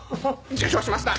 受賞しました！